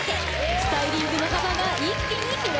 スタイリングの幅が一気に広がります。